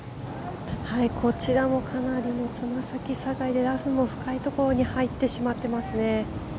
こちらもかなりのつま先下がりでラフも深いところに入ってしまってますね。